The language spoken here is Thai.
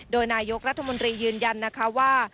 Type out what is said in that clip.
โดยนายกรัฐมนตรียืนยันนะคะว่า